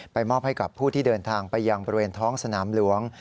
มอบให้กับผู้ที่เดินทางไปยังบริเวณท้องสนามหลวง